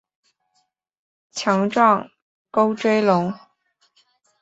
强壮沟椎龙。